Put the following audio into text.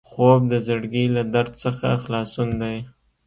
خوب د زړګي له درد څخه خلاصون دی